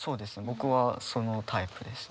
僕はそのタイプです。